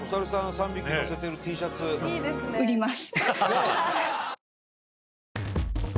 ３匹乗せてるＴシャツいいですね売ります